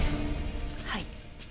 はい。